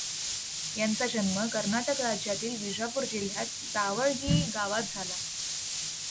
यांचा जन्म कर्नाटक राज्यातील विजापुर जिल्ह्यात सावळगी गावात झाला.